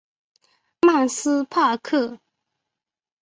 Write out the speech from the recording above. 曼斯帕克。